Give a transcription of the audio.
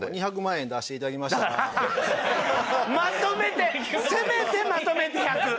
だからまとめてせめてまとめて１００。